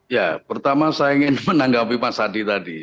ya pertama saya ingin menanggapi mas adi tadi